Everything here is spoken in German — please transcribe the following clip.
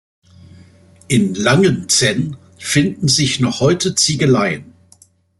In Langenzenn finden sich noch heute Ziegeleien.